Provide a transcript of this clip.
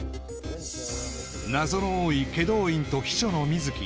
謎の多い祁答院と秘書の水樹